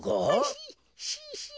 シッシッシッ。